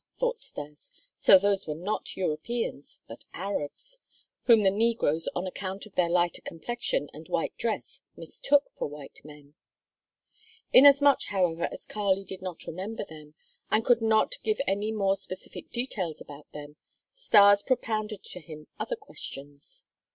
thought Stas, "so those were not Europeans, but Arabs, whom the negroes on account of their lighter complexion and white dress mistook for white men." Inasmuch, however, as Kali did not remember them and could not give any more specific details about them, Stas propounded to him other questions.